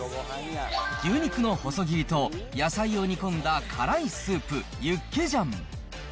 牛肉の細切りと野菜を煮込んだ辛いスープ、ユッケジャン。